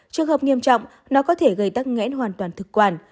trường hợp nghiêm trọng nó có thể gây tắc nghẽn hoàn toàn thực quản